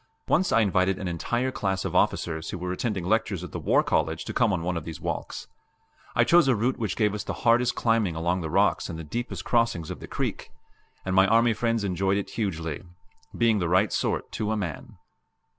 Once I invited an entire class of officers who were attending lectures at the War College to come on one of these walks; I chose a route which gave us the hardest climbing along the rocks and the deepest crossings of the creek; and my army friends enjoyed it hugely being the right sort, to a man.